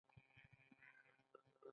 د انډومیټریوسس د رحم بیروني وده ده.